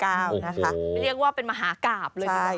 ไม่เรียกว่าเป็นมหากาบเลย